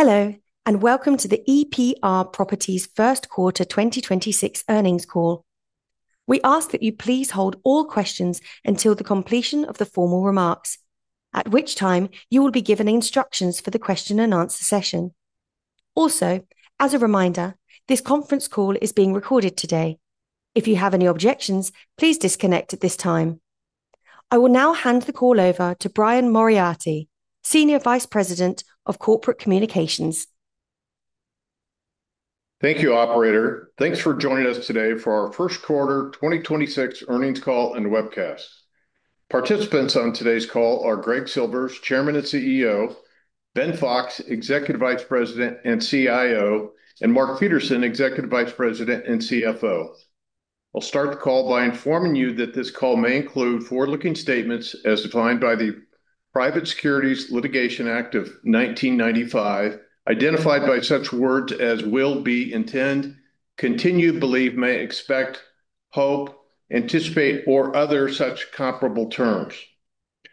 Hello, and welcome to the EPR Properties first quarter 2026 earnings call. We ask that you please hold all questions until the completion of the formal remarks, at which time you will be given instructions for the question and answer session. As a reminder, this conference call is being recorded today. If you have any objections, please disconnect at this time. I will now hand the call over to Brian Moriarty, Senior Vice President of Corporate Communications. Thank you, operator. Thanks for joining us today for our first quarter 2026 earnings call and webcast. Participants on today's call are Greg Silvers, Chairman and CEO, Ben Fox, Executive Vice President and CIO, and Mark Peterson, Executive Vice President and CFO. I'll start the call by informing you that this call may include forward-looking statements as defined by the Private Securities Litigation Reform Act of 1995, identified by such words as will, be, intend, continue, believe, may expect, hope, anticipate, or other such comparable terms.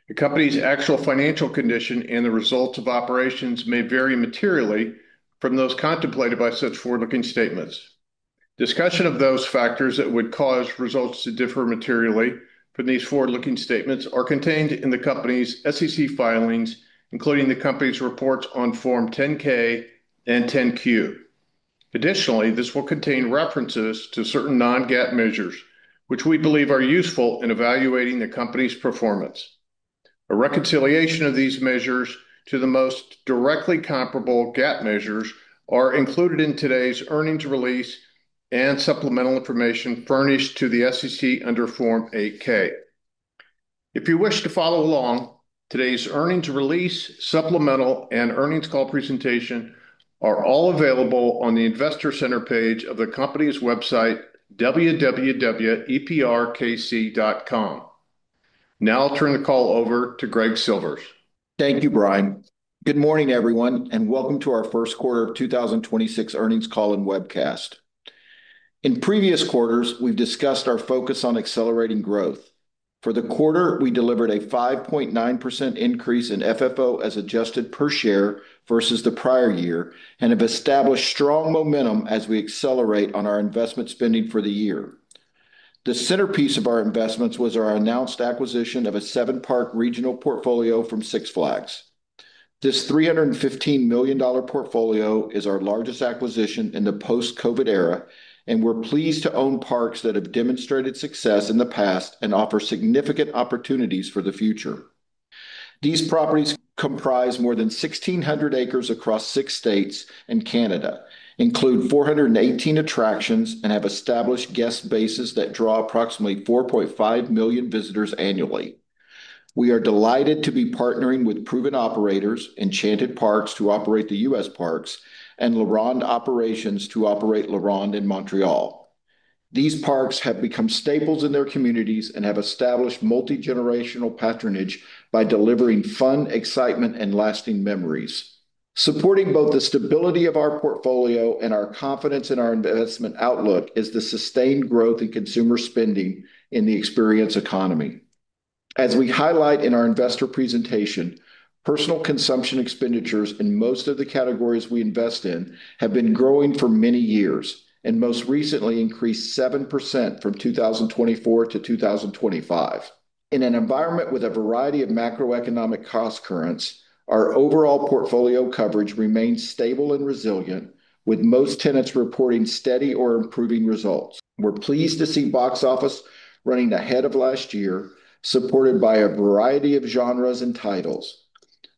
The company's actual financial condition and the results of operations may vary materially from those contemplated by such forward-looking statements. Discussion of those factors that would cause results to differ materially from these forward-looking statements are contained in the company's SEC filings, including the company's reports on form 10-K and 10-Q. Additionally, this will contain references to certain non-GAAP measures which we believe are useful in evaluating the company's performance. A reconciliation of these measures to the most directly comparable GAAP measures are included in today's earnings release and supplemental information furnished to the SEC under form 8-K. If you wish to follow along, today's earnings release, supplemental, and earnings call presentation are all available on the investor center page of the company's website, www.eprkc.com. Now I'll turn the call over to Greg Silvers. Thank you, Brian. Good morning, everyone, and welcome to our first quarter of 2026 earnings call and webcast. In previous quarters, we've discussed our focus on accelerating growth. For the quarter, we delivered a 5.9% increase in FFO as adjusted per share versus the prior year and have established strong momentum as we accelerate on our investment spending for the year. The centerpiece of our investments was our announced acquisition of a seven park regional portfolio from Six Flags. This $315 million portfolio is our largest acquisition in the post-COVID era, and we're pleased to own parks that have demonstrated success in the past and offer significant opportunities for the future. These properties comprise more than 1,600 acres across six states and Canada, include 418 attractions, and have established guest bases that draw approximately 4.5 million visitors annually. We are delighted to be partnering with proven operators, Enchanted Parks to operate the U.S. parks, and La Ronde Operations to operate La Ronde in Montreal. These parks have become staples in their communities and have established multi-generational patronage by delivering fun, excitement, and lasting memories. Supporting both the stability of our portfolio and our confidence in our investment outlook is the sustained growth in consumer spending in the experience economy. As we highlight in our investor presentation, personal consumption expenditures in most of the categories we invest in have been growing for many years and most recently increased 7% from 2024 to 2025. In an environment with a variety of macroeconomic crosscurrents, our overall portfolio coverage remains stable and resilient, with most tenants reporting steady or improving results. We're pleased to see box office running ahead of last year, supported by a variety of genres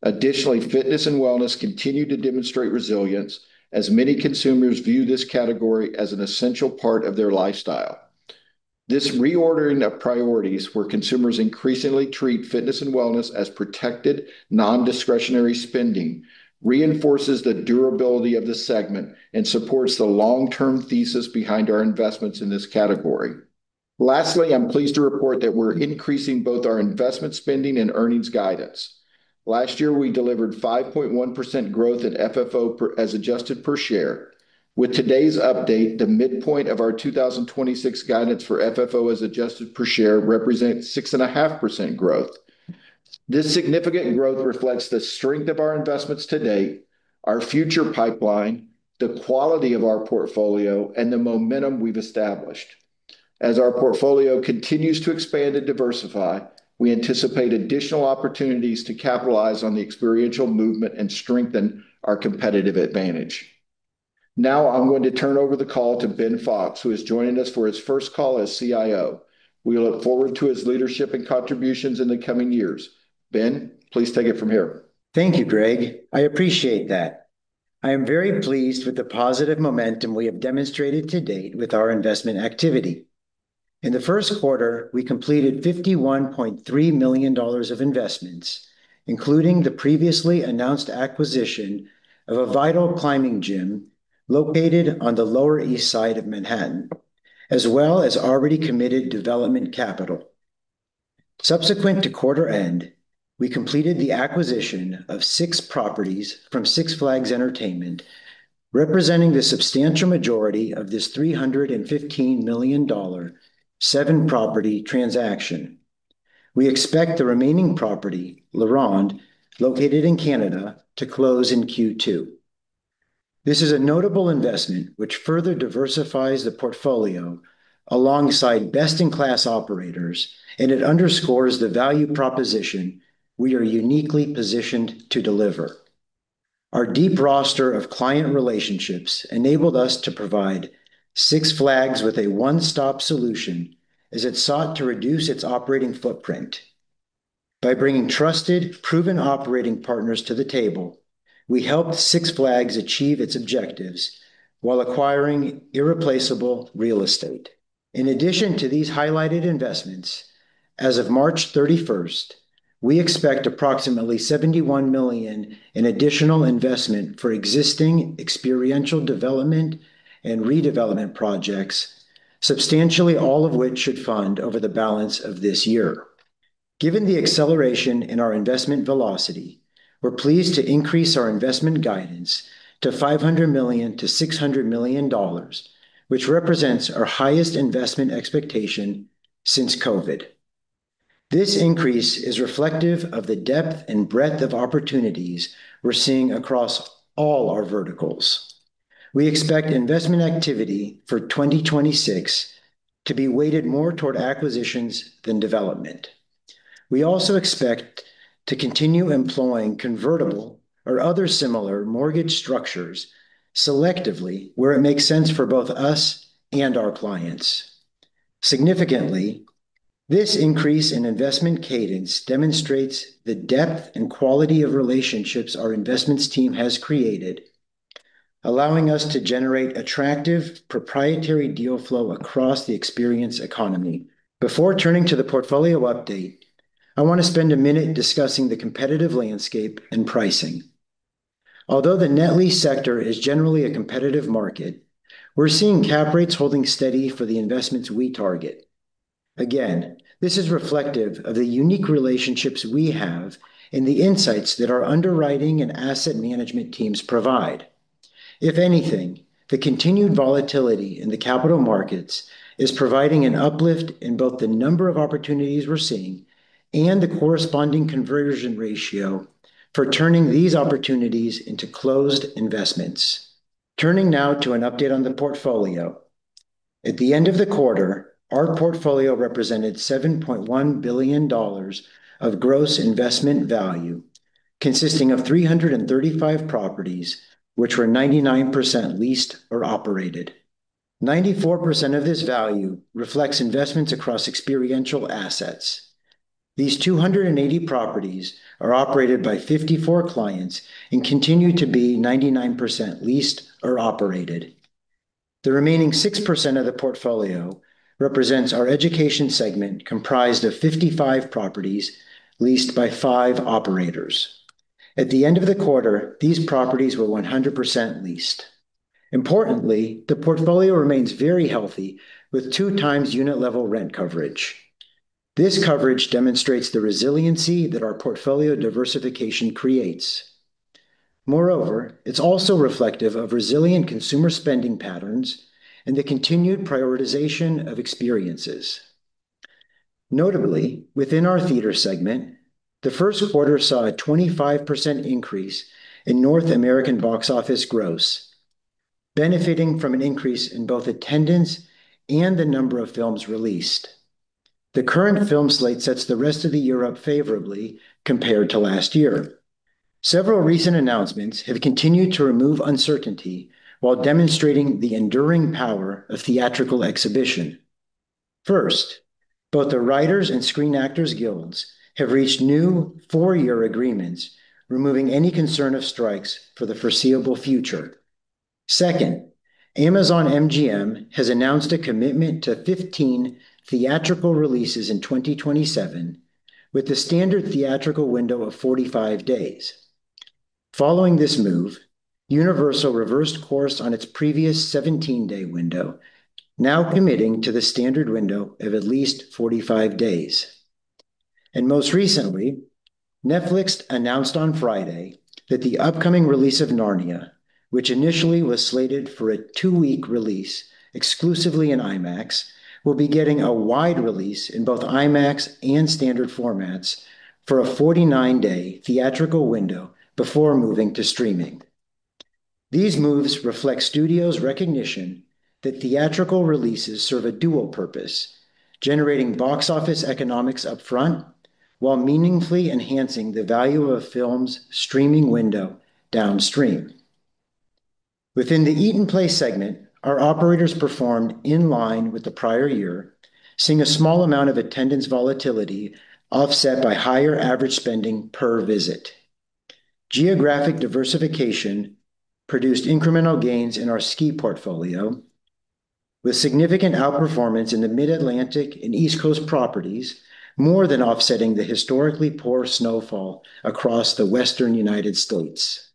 and titles. Fitness and wellness continue to demonstrate resilience as many consumers view this category as an essential part of their lifestyle. This reordering of priorities, where consumers increasingly treat fitness and wellness as protected, non-discretionary spending, reinforces the durability of the segment and supports the long-term thesis behind our investments in this category. I'm pleased to report that we're increasing both our investment spending and earnings guidance. Last year, we delivered 5.1% growth at FFO as adjusted per share. With today's update, the midpoint of our 2026 guidance for FFO as adjusted per share represents 6.5% growth. This significant growth reflects the strength of our investments to date, our future pipeline, the quality of our portfolio, and the momentum we've established. As our portfolio continues to expand and diversify, we anticipate additional opportunities to capitalize on the experiential movement and strengthen our competitive advantage. I'm going to turn over the call to Ben Fox, who is joining us for his first call as CIO. We look forward to his leadership and contributions in the coming years. Ben, please take it from here. Thank you, Greg. I appreciate that. I am very pleased with the positive momentum we have demonstrated to date with our investment activity. In the first quarter, we completed $51.3 million of investments, including the previously announced acquisition of a VITAL Climbing Gym located on the Lower East Side of Manhattan, as well as already committed development capital. Subsequent to quarter end, we completed the acquisition of six properties from Six Flags Entertainment, representing the substantial majority of this $315 million seven property transaction. We expect the remaining property, La Ronde, located in Canada, to close in Q2. This is a notable investment which further diversifies the portfolio alongside best-in-class operators. It underscores the value proposition we are uniquely positioned to deliver. Our deep roster of client relationships enabled us to provide Six Flags with a one-stop solution as it sought to reduce its operating footprint. By bringing trusted, proven operating partners to the table, we helped Six Flags achieve its objectives while acquiring irreplaceable real estate. In addition to these highlighted investments, as of March 31st, we expect approximately $71 million in additional investment for existing experiential development and redevelopment projects, substantially all of which should fund over the balance of this year. Given the acceleration in our investment velocity, we're pleased to increase our investment guidance to $500 million-$600 million, which represents our highest investment expectation since COVID. This increase is reflective of the depth and breadth of opportunities we're seeing across all our verticals. We expect investment activity for 2026 to be weighted more toward acquisitions than development. We also expect to continue employing convertible or other similar mortgage structures selectively where it makes sense for both us and our clients. Significantly, this increase in investment cadence demonstrates the depth and quality of relationships our investments team has created, allowing us to generate attractive proprietary deal flow across the experience economy. Before turning to the portfolio update, I want to spend a minute discussing the competitive landscape and pricing. Although the net lease sector is generally a competitive market, we're seeing cap rates holding steady for the investments we target. Again, this is reflective of the unique relationships we have and the insights that our underwriting and asset management teams provide. If anything, the continued volatility in the capital markets is providing an uplift in both the number of opportunities we're seeing and the corresponding conversion ratio for turning these opportunities into closed investments. Turning now to an update on the portfolio. At the end of the quarter, our portfolio represented $7.1 billion of gross investment value, consisting of 335 properties, which were 99% leased or operated. 94% of this value reflects investments across experiential assets. These 280 properties are operated by 54 clients and continue to be 99% leased or operated. The remaining 6% of the portfolio represents our education segment comprised of 55 properties leased by five operators. At the end of the quarter, these properties were 100% leased. Importantly, the portfolio remains very healthy with two times unit level rent coverage. This coverage demonstrates the resiliency that our portfolio diversification creates. Moreover, it's also reflective of resilient consumer spending patterns and the continued prioritization of experiences. Notably, within our theater segment, the first quarter saw a 25% increase in North American box office gross, benefiting from an increase in both attendance and the number of films released. The current film slate sets the rest of the year up favorably compared to last year. Several recent announcements have continued to remove uncertainty while demonstrating the enduring power of theatrical exhibition. First, both the Writers' and Screen Actors Guilds have reached new four-year agreements, removing any concern of strikes for the foreseeable future. Second, Amazon MGM has announced a commitment to 15 theatrical releases in 2027 with the standard theatrical window of 45 days. Following this move, Universal reversed course on its previous 17-day window, now committing to the standard window of at least 45 days. Most recently, Netflix announced on Friday that the upcoming release of Narnia, which initially was slated for a two-week release exclusively in IMAX, will be getting a wide release in both IMAX and standard formats for a 49-day theatrical window before moving to streaming. These moves reflect studios' recognition that theatrical releases serve a dual purpose, generating box office economics upfront while meaningfully enhancing the value of a film's streaming window downstream. Within the Eat and Play segment, our operators performed in line with the prior year, seeing a small amount of attendance volatility offset by higher average spending per visit. Geographic diversification produced incremental gains in our ski portfolio, with significant outperformance in the Mid-Atlantic and East Coast properties more than offsetting the historically poor snowfall across the Western United States.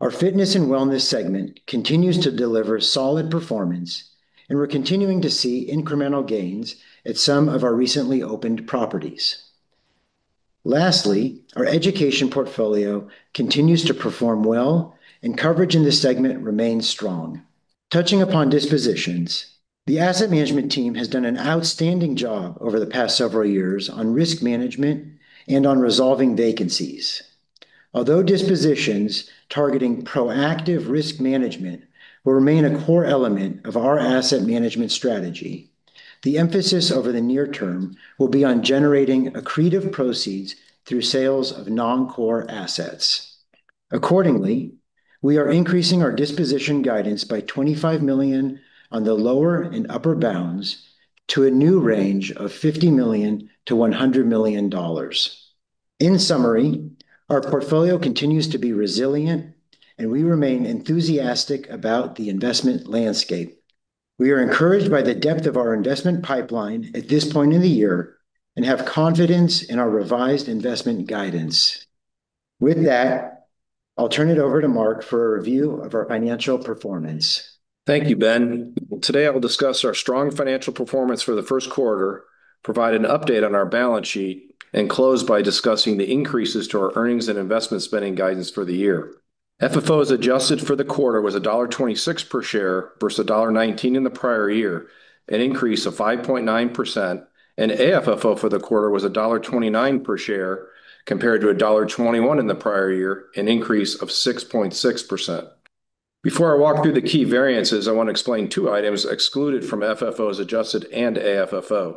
Our Fitness and Wellness segment continues to deliver solid performance, and we're continuing to see incremental gains at some of our recently opened properties. Lastly, our education portfolio continues to perform well, and coverage in this segment remains strong. Touching upon dispositions, the asset management team has done an outstanding job over the past several years on risk management and on resolving vacancies. Although dispositions targeting proactive risk management will remain a core element of our asset management strategy, the emphasis over the near term will be on generating accretive proceeds through sales of non-core assets. Accordingly, we are increasing our disposition guidance by $25 million on the lower and upper bounds to a new range of $50 million-$100 million. In summary, our portfolio continues to be resilient, and we remain enthusiastic about the investment landscape. We are encouraged by the depth of our investment pipeline at this point in the year and have confidence in our revised investment guidance. With that, I'll turn it over to Mark for a review of our financial performance. Thank you, Ben. Today, I will discuss our strong financial performance for the first quarter, provide an update on our balance sheet, and close by discussing the increases to our earnings and investment spending guidance for the year. FFO as adjusted for the quarter was $1.26 per share versus $1.19 in the prior year, an increase of 5.9%. AFFO for the quarter was $1.29 per share compared to $1.21 in the prior year, an increase of 6.6%. Before I walk through the key variances, I wanna explain two items excluded from FFO as adjusted and AFFO.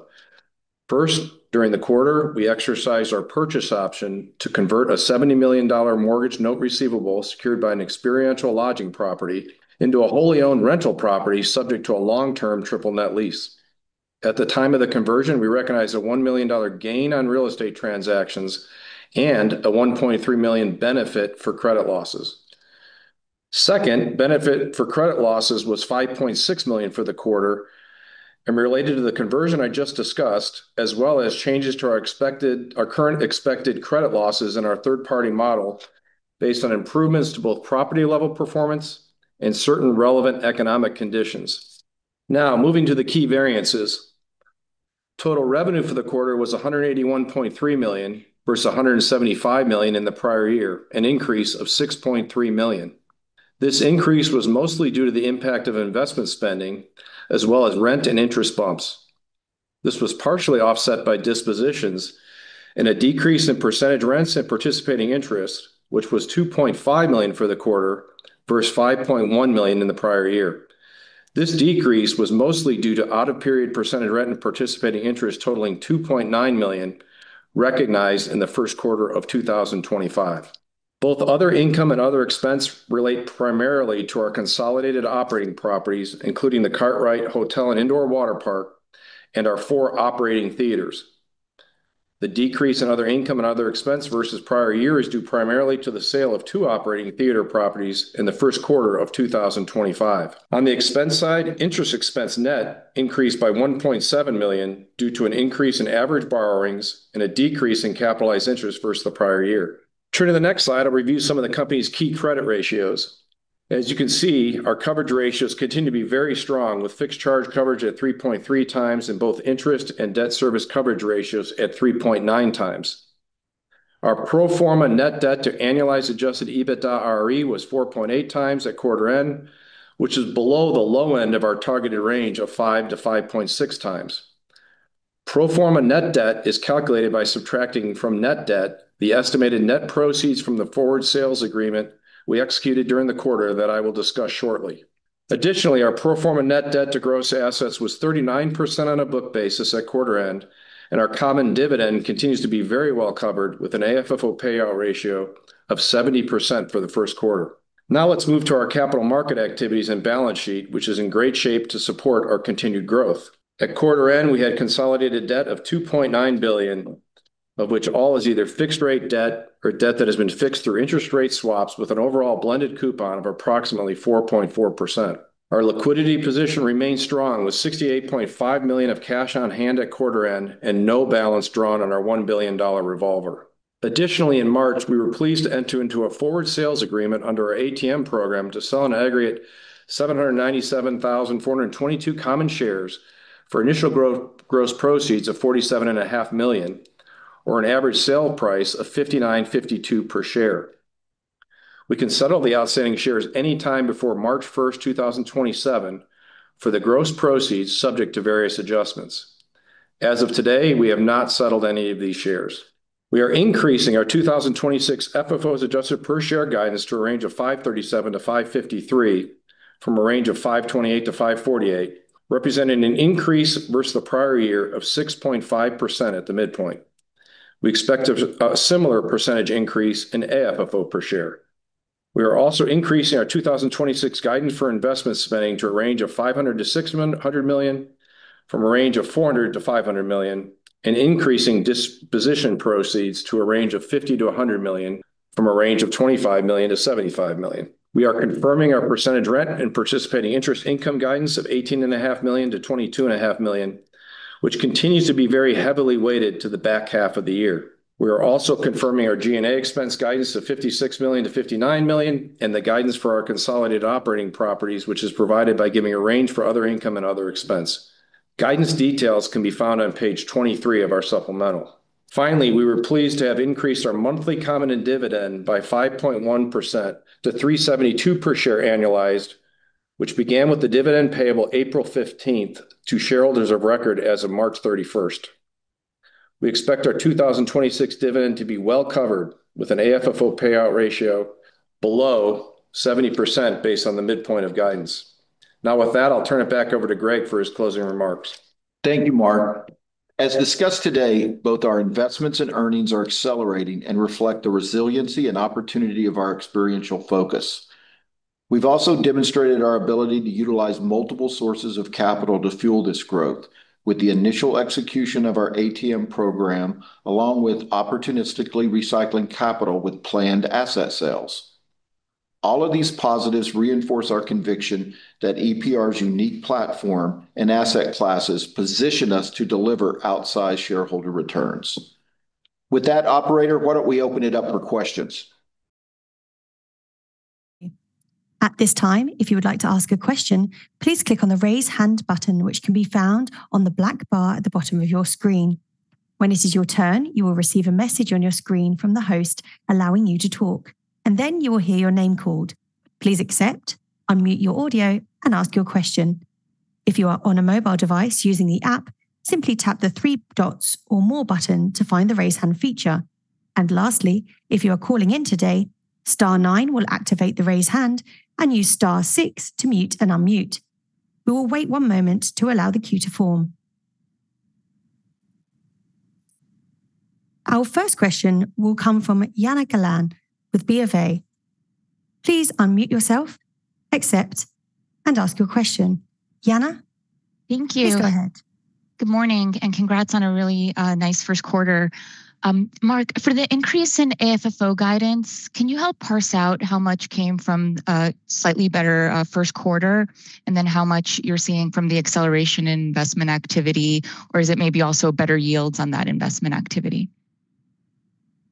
First, during the quarter, we exercised our purchase option to convert a $70 million mortgage note receivable secured by an experiential lodging property into a wholly-owned rental property subject to a long-term triple net lease. At the time of the conversion, we recognized a $1 million gain on real estate transactions and a $1.3 million benefit for credit losses. Second, benefit for credit losses was $5.6 million for the quarter and related to the conversion I just discussed, as well as changes to our current expected credit losses in our third-party model based on improvements to both property-level performance and certain relevant economic conditions. Moving to the key variances. Total revenue for the quarter was $181.3 million versus $175 million in the prior year, an increase of $6.3 million. This increase was mostly due to the impact of investment spending as well as rent and interest bumps. This was partially offset by dispositions and a decrease in percentage rents and participating interest, which was $2.5 million for the quarter versus $5.1 million in the prior year. This decrease was mostly due to out-of-period percentage rent and participating interest totaling $2.9 million recognized in the first quarter of 2025. Both other income and other expense relate primarily to our consolidated operating properties, including The Kartrite Hotel and Indoor Waterpark and our four operating theaters. The decrease in other income and other expense versus prior year is due primarily to the sale of two operating theater properties in the first quarter of 2025. On the expense side, interest expense net increased by $1.7 million due to an increase in average borrowings and a decrease in capitalized interest versus the prior year. Turning to the next slide, I'll review some of the company's key credit ratios. As you can see, our coverage ratios continue to be very strong with fixed charge coverage at 3.3x and both interest and debt service coverage ratios at 3.9x. Our pro forma net debt to annualized adjusted EBITDARE was 4.8x at quarter end, which is below the low end of our targeted range of five to 5.6x. Pro forma net debt is calculated by subtracting from net debt the estimated net proceeds from the forward sales agreement we executed during the quarter that I will discuss shortly. Additionally, our pro forma net debt to gross assets was 39% on a book basis at quarter end, and our common dividend continues to be very well-covered with an AFFO payout ratio of 70% for the first quarter. Let's move to our capital market activities and balance sheet, which is in great shape to support our continued growth. At quarter end, we had consolidated debt of $2.9 billion, of which all is either fixed rate debt or debt that has been fixed through interest rate swaps with an overall blended coupon of approximately 4.4%. Our liquidity position remains strong with $68.5 million of cash on hand at quarter end and no balance drawn on our $1 billion revolver. In March, we were pleased to enter into a forward sales agreement under our ATM program to sell an aggregate 797,422 common shares for initial gross proceeds of 47.5 Million or an average sale price of $59.52 per share. We can settle the outstanding shares any time before March 1st, 2027 for the gross proceeds subject to various adjustments. As of today, we have not settled any of these shares. We are increasing our 2026 FFO as adjusted per share guidance to a range of $5.37-$5.53 from a range of $5.28-$5.48, representing an increase versus the prior year of 6.5% at the midpoint. We expect a similar percentage increase in AFFO per share. We are also increasing our 2026 guidance for investment spending to a range of $500 million-$600 million from a range of $400 million-$500 million, and increasing disposition proceeds to a range of $50 million-$100 million from a range of $25 million-$75 million. We are confirming our percentage rent and participating interest income guidance of $18.5 million-$22.5 million, which continues to be very heavily weighted to the back half of the year. We are also confirming our G&A expense guidance of $56 million-$59 million and the guidance for our consolidated operating properties, which is provided by giving a range for other income and other expense. Guidance details can be found on page 23 of our supplemental. Finally, we were pleased to have increased our monthly common and dividend by 5.1% to $3.72 per share annualized, which began with the dividend payable April 15th to shareholders of record as of March 31st. We expect our 2026 dividend to be well covered with an AFFO payout ratio below 70% based on the midpoint of guidance. With that, I'll turn it back over to Greg for his closing remarks. Thank you, Mark. As discussed today, both our investments and earnings are accelerating and reflect the resiliency and opportunity of our experiential focus. We've also demonstrated our ability to utilize multiple sources of capital to fuel this growth with the initial execution of our ATM program, along with opportunistically recycling capital with planned asset sales. All of these positives reinforce our conviction that EPR's unique platform and asset classes position us to deliver outsized shareholder returns. With that, operator, why don't we open it up for questions? At this time, if you would like to ask a question, please click on the Raise Hand button, which can be found on the black bar at the bottom of your screen. When it is your turn, you will receive a message on your screen from the host allowing you to talk, and then you will hear your name called. Please accept, unmute your audio, and ask your question. If you are on a mobile device using the app, simply tap the three dots or More button to find the Raise Hand feature. Lastly, if you are calling in today, star nine will activate the Raise Hand and use star six to mute and unmute. We will wait one moment to allow the queue to form. Our first question will come from Yana Galan with BofA. Please unmute yourself, accept, and ask your question. Yana. Thank you. Please go ahead. Good morning, and congrats on a really nice first quarter. Mark, for the increase in AFFO guidance, can you help parse out how much came from a slightly better first quarter, and then how much you're seeing from the acceleration in investment activity? Or is it maybe also better yields on that investment activity?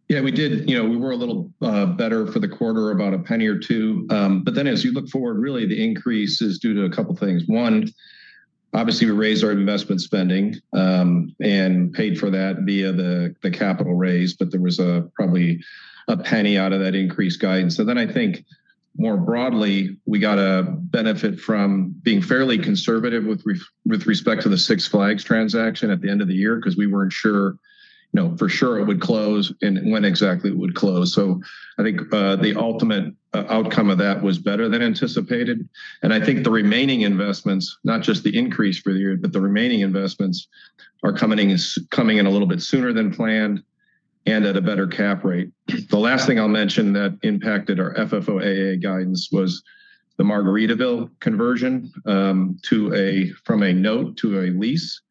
Yeah, we did. You know, we were a little better for the quarter, about $0.01 or $0.02. As you look forward, really the increase is due to a couple things. One, obviously, we raised our investment spending and paid for that via the capital raise, but there was probably $0.01 out of that increased guidance. I think more broadly, we got a benefit from being fairly conservative with respect to the Six Flags transaction at the end of the year because we weren't sure, you know, for sure it would close and when exactly it would close. I think the ultimate outcome of that was better than anticipated. I think the remaining investments, not just the increase for the year, but the remaining investments are coming in, coming in a little bit sooner than planned and at a better cap rate. The last thing I'll mention that impacted our FFOAA guidance was the Margaritaville conversion, from a note to a lease.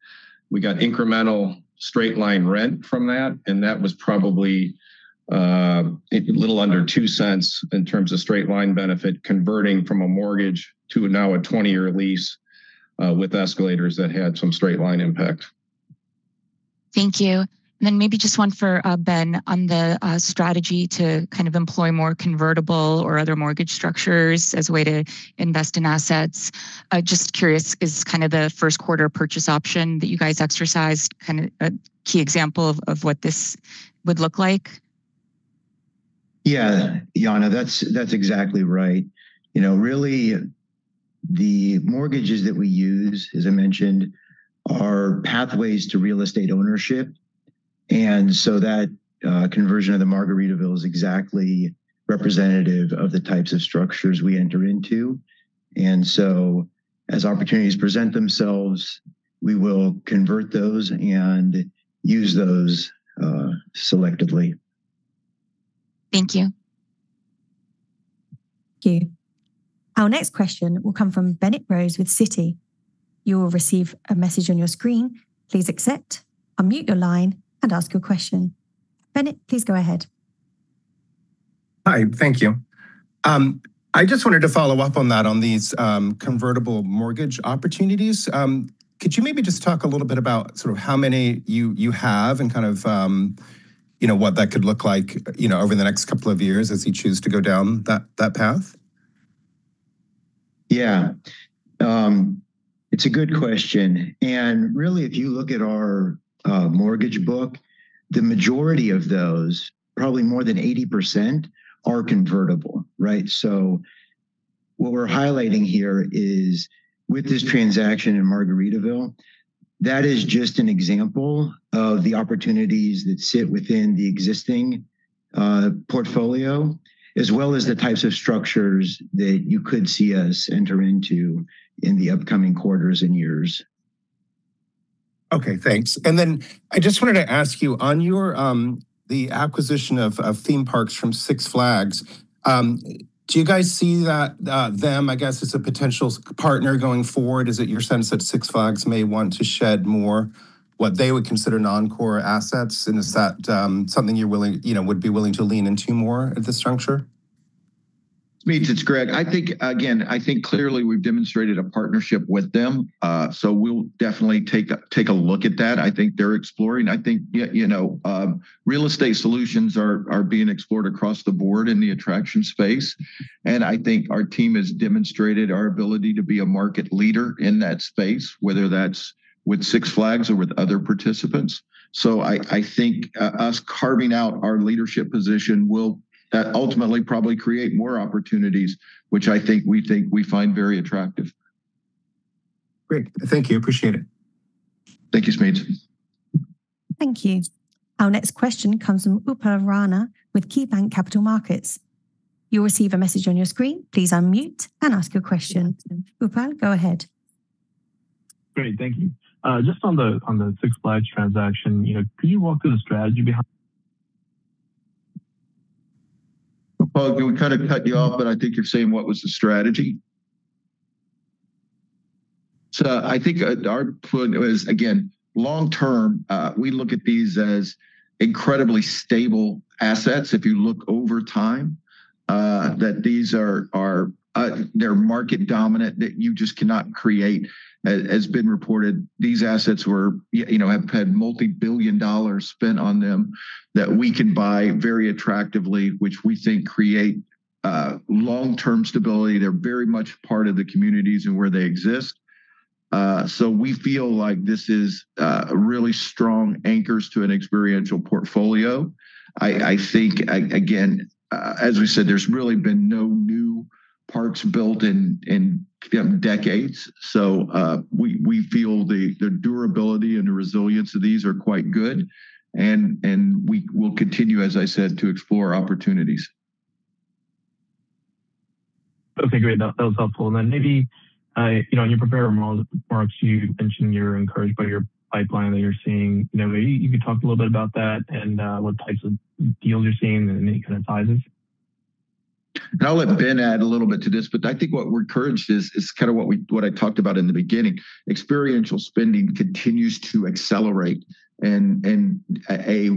We got incremental straight-line rent from that, and that was probably a little under $0.02 in terms of straight-line benefit converting from a mortgage to now a 20-year lease, with escalators that had some straight-line impact. Thank you. Maybe just one for Ben on the strategy to kind of employ more convertible or other mortgage structures as a way to invest in assets. Just curious, is kind of the first quarter purchase option that you guys exercised kind of a key example of what this would look like? Yeah, Yana, that's exactly right. You know, really the mortgages that we use, as I mentioned, are pathways to real estate ownership, and so that conversion of the Margaritaville is exactly representative of the types of structures we enter into. As opportunities present themselves, we will convert those and use those selectively. Thank you. Thank you. Our next question will come from Smedes Rose with Citi. You will receive a message on your screen. Please accept, unmute your line, and ask your question. Bennett, please go ahead. Hi, thank you. I just wanted to follow up on that on these convertible mortgage opportunities. Could you maybe just talk a little bit about sort of how many you have and kind of, you know, what that could look like, you know, over the next couple of years as you choose to go down that path? Yeah. It's a good question. Really, if you look at our mortgage book, the majority of those, probably more than 80% are convertible, right? What we're highlighting here is with this transaction in Margaritaville, that is just an example of the opportunities that sit within the existing portfolio, as well as the types of structures that you could see us enter into in the upcoming quarters and years. Okay, thanks. I just wanted to ask you on your the acquisition of theme parks from Six Flags, do you guys see that them, I guess, as a potential partner going forward? Is it your sense that Six Flags may want to shed more what they would consider non-core assets? Is that something you're willing, you know, would be willing to lean into more at this juncture? Smedes, it's Greg. I think, again, I think clearly we've demonstrated a partnership with them. We'll definitely take a look at that. I think they're exploring. I think, you know, real estate solutions are being explored across the board in the attraction space. I think our team has demonstrated our ability to be a market leader in that space, whether that's with Six Flags or with other participants. I think us carving out our leadership position will ultimately probably create more opportunities, which I think we think we find very attractive. Great. Thank you. Appreciate it. Thank you, Smedes. Thank you. Our next question comes from Upal Rana with KeyBanc Capital Markets. You'll receive a message on your screen. Please unmute and ask your question. Upal, go ahead. Great. Thank you. Just on the Six Flags transaction, you know, can you walk through the strategy behind- Upal, we kind of cut you off, but I think you're saying what was the strategy? I think our point was, again, long term, we look at these as incredibly stable assets, if you look over time. That these are, they're market dominant that you just cannot create. As been reported, these assets were, you know, have had multi-billion dollars spent on them that we can buy very attractively, which we think create long-term stability. They're very much part of the communities in where they exist. We feel like this is really strong anchors to an experiential portfolio. I think again, as we said, there's really been no new parks built in, you know, decades. We feel the durability and the resilience of these are quite good. We will continue, as I said, to explore opportunities. Okay, great. That was helpful. Then maybe, you know, in your prepared remarks, you mentioned you're encouraged by your pipeline that you're seeing. You know, maybe you could talk a little bit about that and what types of deals you're seeing and any kind of sizes. I'll let Ben add a little bit to this, but I think what we're encouraged is kind of what I talked about in the beginning. Experiential spending continues to accelerate and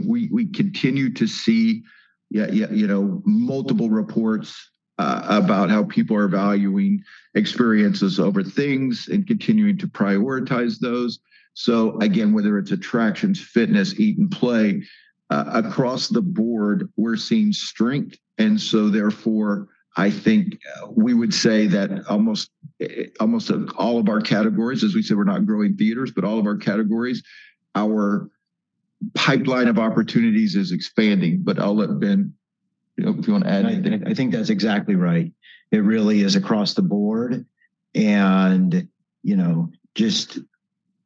we continue to see you know, multiple reports about how people are valuing experiences over things and continuing to prioritize those. Again, whether it's attractions, fitness, eat and play, across the board, we're seeing strength. Therefore, I think, we would say that almost all of our categories, as we said, we're not growing theaters, but all of our categories, our pipeline of opportunities is expanding. I'll let Ben, you know, if you wanna add anything. I think that's exactly right. It really is across the board, and, you know, just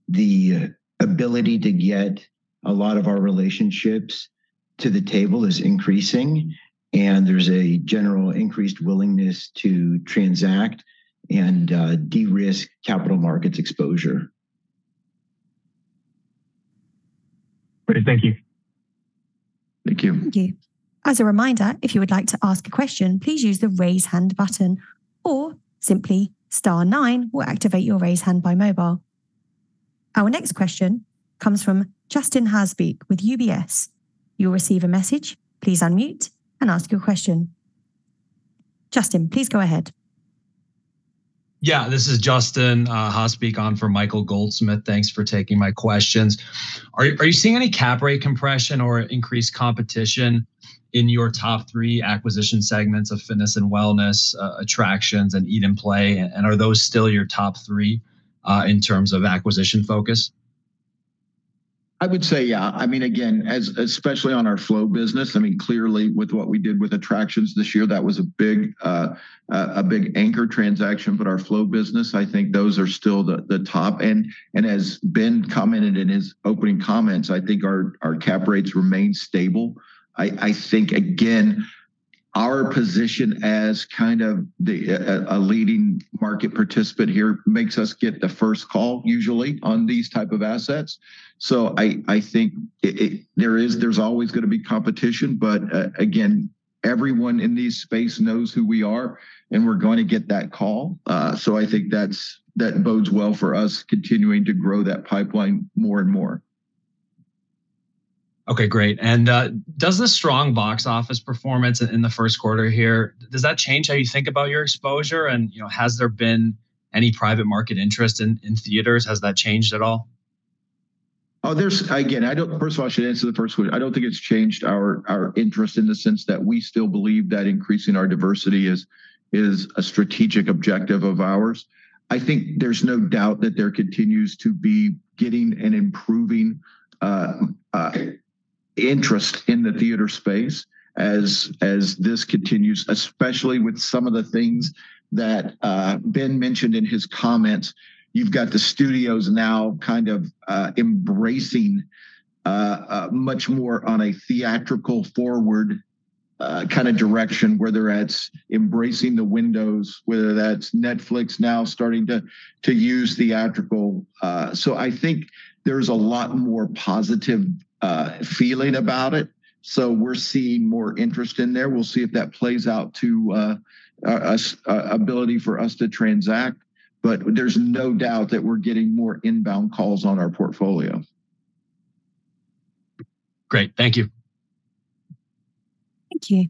the ability to get a lot of our relationships to the table is increasing, and there's a general increased willingness to transact and de-risk capital markets exposure. Great. Thank you. Thank you. Thank you. As a reminder, if you would like to ask a question, please use the Raise Hand button or simply star nine will activate your raise hand by mobile. Our next question comes from Justin Haasbeek with UBS. Justin, please go ahead. Yeah, this is Justin Haasbeek on for Michael Goldsmith. Thanks for taking my questions. Are you seeing any cap rate compression or increased competition in your top three acquisition segments of fitness and wellness, attractions and Eat and Play? Are those still your top three, in terms of acquisition focus? I would say, yeah. I mean, again, as especially on our flow business, I mean, clearly with what we did with attractions this year, that was a big anchor transaction. Our flow business, I think those are still the top. As Ben commented in his opening comments, I think our cap rates remain stable. I think, again, our position as kind of a leading market participant here makes us get the first call usually on these type of assets. I think there's always gonna be competition, but again, everyone in this space knows who we are, and we're going to get that call. I think that bodes well for us continuing to grow that pipeline more and more. Okay, great. Does the strong box office performance in the first quarter here, does that change how you think about your exposure? You know, has there been any private market interest in theaters? Has that changed at all? First of all, I should answer the first one. I don't think it's changed our interest in the sense that we still believe that increasing our diversity is a strategic objective of ours. I think there's no doubt that there continues to be getting and improving interest in the theater space as this continues, especially with some of the things that Ben mentioned in his comments. You've got the studios now kind of embracing much more on a theatrical forward kind of direction, whether that's embracing the windows, whether that's Netflix now starting to use theatrical. I think there's a lot more positive feeling about it. We're seeing more interest in there. We'll see if that plays out to ability for us to transact. There's no doubt that we're getting more inbound calls on our portfolio. Great. Thank you. Thank you.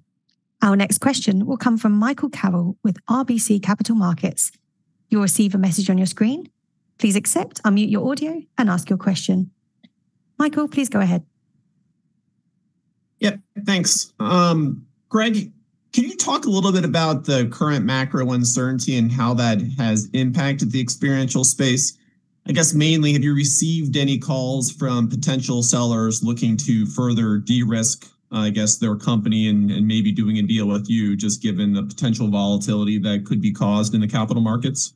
Our next question will come from Michael Carroll with RBC Capital Markets. You'll receive a message on your screen. Please accept, unmute your audio, and ask your question. Michael, please go ahead. Yeah, thanks. Greg, can you talk a little bit about the current macro uncertainty and how that has impacted the experiential space? I guess mainly, have you received any calls from potential sellers looking to further de-risk, I guess, their company and maybe doing a deal with you, just given the potential volatility that could be caused in the capital markets?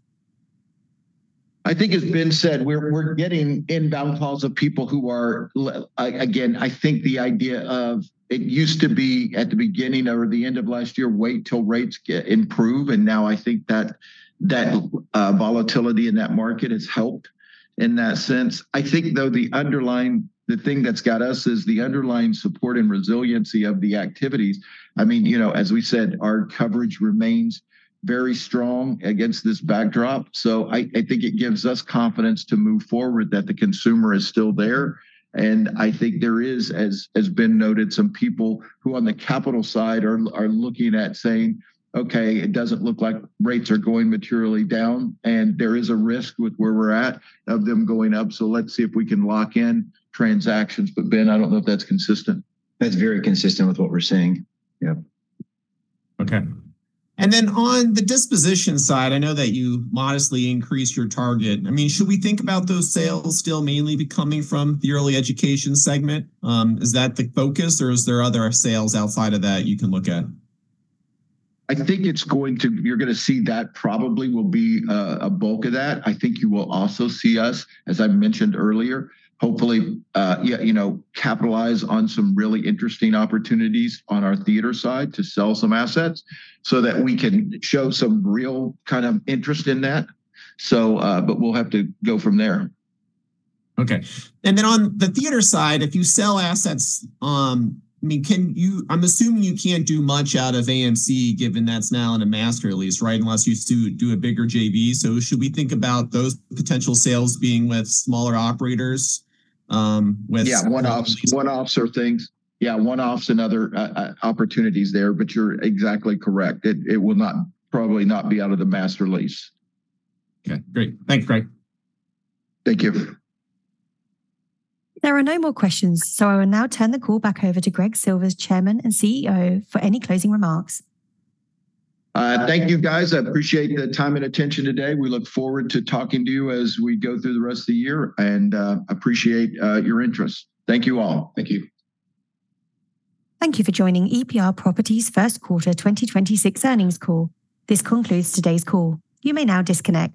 I think it's been said. We're getting inbound calls of people who are again, I think the idea of it used to be at the beginning or the end of last year, wait till rates improve, and now I think that that volatility in that market has helped in that sense. I think, though, the thing that's got us is the underlying support and resiliency of the activities. I mean, you know, as we said, our coverage remains very strong against this backdrop. I think it gives us confidence to move forward that the consumer is still there. I think there is, as Ben noted, some people who on the capital side are looking at saying, "Okay, it doesn't look like rates are going materially down, and there is a risk with where we're at of them going up. Let's see if we can lock in transactions." Ben, I don't know if that's consistent. That's very consistent with what we're seeing. Yep. Okay. On the disposition side, I know that you modestly increased your target. I mean, should we think about those sales still mainly be coming from the early education segment? Is that the focus, or is there other sales outside of that you can look at? I think you're gonna see that probably will be a bulk of that. I think you will also see us, as I mentioned earlier, hopefully, you know, capitalize on some really interesting opportunities on our theater side to sell some assets so that we can show some real kind of interest in that. We'll have to go from there. Okay. On the theater side, if you sell assets, I mean, I'm assuming you can't do much out of AMC, given that's now in a master lease, right? Unless you do a bigger JV. Should we think about those potential sales being with smaller operators? Yeah, one-offs. One-offs or things. Yeah, one-offs and other opportunities there. You're exactly correct. It will probably not be out of the master lease. Okay, great. Thanks, Greg. Thank you. There are no more questions, so I will now turn the call back over to Greg Silvers, Chairman and CEO, for any closing remarks. Thank you, guys. I appreciate the time and attention today. We look forward to talking to you as we go through the rest of the year and appreciate your interest. Thank you all. Thank you. Thank you for joining EPR Properties first quarter 2026 earnings call. This concludes today's call. You may now disconnect.